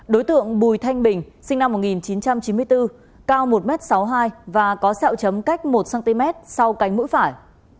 đối tượng bùi thanh bình sinh năm một nghìn chín trăm chín mươi bốn cao một m sáu mươi hai và có sẹo chấm cách một cm sau cánh mũi phải